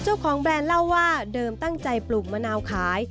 เจ้าของแบร์นเล่าว่าเดิมตั้งใจปลูกมะนาวขาย